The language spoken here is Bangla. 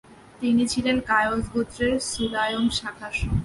তিনি ছিলেন কায়স গোত্রের সুলায়ম শাখার সন্তান।